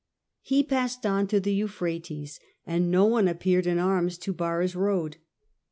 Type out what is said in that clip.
He passed on to the Euphrates, and no one appeared m arms to bar his road.